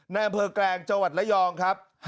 นาเมือแกรงจัวร์วันลายองครับ